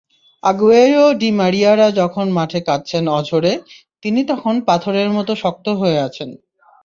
Aguero-D মারিয়ারা যখন মাঠে কাঁদছেন অঝোরে, তিনি তখন পাথরের মতো শক্ত হয়ে আছেন।